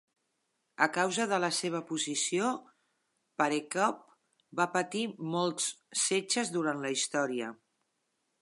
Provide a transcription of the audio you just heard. A causa de la seva posició, Perekop va patir molts setges durant la Història.